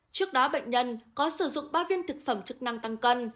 trước đó bệnh nhân có sử dụng ba viên thực phẩm chức năng tăng cân